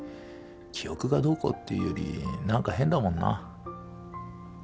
記憶がどうこうっていうより何か変だもんな。